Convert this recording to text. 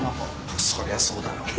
そりゃそうだろう。